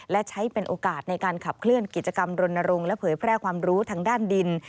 และใช้เป็นโอกาสในการขับเคลื่อนกิจกรรมรณรงค์และเผยแพร่ความรู้ทางด้านดิน